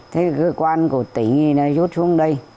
thế cơ quan của tỉnh thì rút xuống đây